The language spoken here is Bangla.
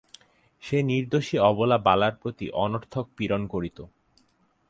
সে নির্দোষী অবলা বালার প্রতি অনর্থক পীড়ন করিত।